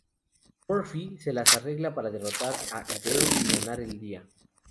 Murphy se las arregla para derrotar a Hideo y ganar el día.